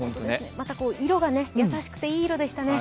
また色が優しくていい色でしたね。